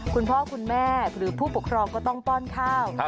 คุณพ่อคุณแม่หรือผู้ปกครองก็ต้องป้อนข้าว